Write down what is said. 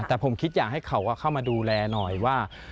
แต่ผมคิดอยากให้เขาเข้ามาดูแลหน่อยว่า